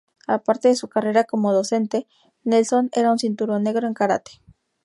Aparte de su carrera como docente, Nelson era un cinturón negro en karate.